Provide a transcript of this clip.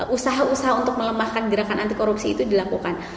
usaha usaha untuk melemahkan gerakan anti korupsi itu dilakukan